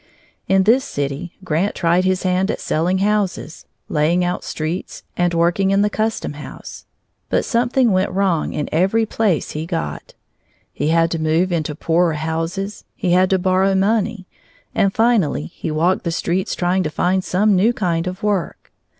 In this city Grant tried his hand at selling houses, laying out streets, and working in the custom house; but something went wrong in every place he got. He had to move into poorer houses, he had to borrow money, and finally he walked the streets trying to find some new kind of work.